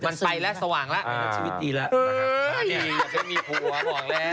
มันไปแล้วสว่างแล้วมีชีวิตดีแล้ว